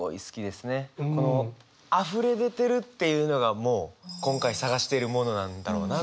このあふれ出てるっていうのがもう今回探しているものなんだろうな。